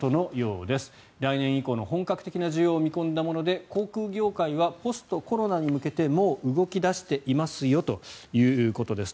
来年以降の本格的な需要を見込んだもので航空業界はポストコロナに向けてもう動き出していますよということです。